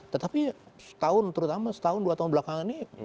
tetapi setahun terutama setahun dua tahun belakangan ini